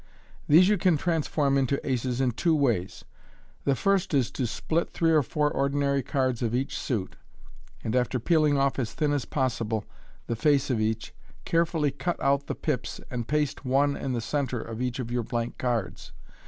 These you can transform into aces in two ways. The first is, to split three or four ordinary cards of each suit, and, after peeling off, as thin as possible, the face of each, carefully cut out the pips, and paste one in the centre of each of your blank cards.